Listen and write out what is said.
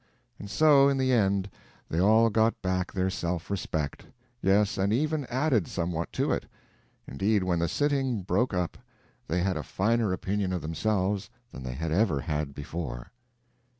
And so, in the end, they all got back their self respect; yes, and even added somewhat to it; indeed when the sitting broke up they had a finer opinion of themselves than they had ever had before.